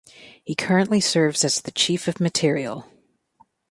He currently serves as the Chief of Materiel.